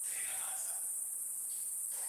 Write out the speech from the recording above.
لېونی نه یمه هوښیار یمه رقیب پیژنم